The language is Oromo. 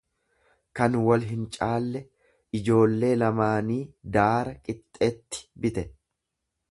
kan wal hincaalle; ijoollee lamaanii daara qixxetti bite.